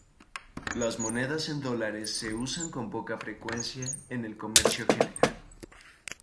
Las monedas en dólares se usan con poca frecuencia en el comercio general.